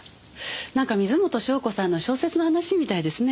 なんか水元湘子さんの小説の話みたいですね。